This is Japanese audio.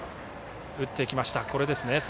打っていきました。